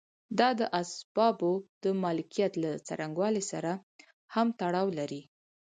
دا د اسبابو د مالکیت له څرنګوالي سره هم تړاو لري.